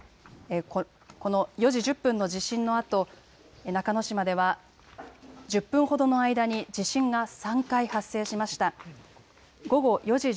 この４時１０分の地震のあと中之島では、１０分ほどの間に地震が３回発生しました。